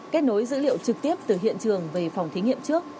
kết nối dữ liệu trực tiếp từ hiện trường về phòng thí nghiệm trước